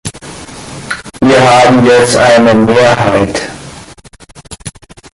Wir haben jetzt eine Mehrheit.